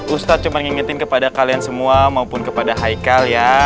ustadz cuman ngingetin kepada kalian semua maupun kepada haikal ya